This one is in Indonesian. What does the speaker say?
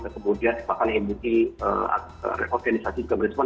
kemudian bahkan mwt organisasi juga berespon